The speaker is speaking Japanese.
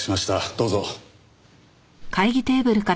どうぞ。